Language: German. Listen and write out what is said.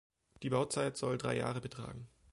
Die Bauzeit soll drei Jahre betragen.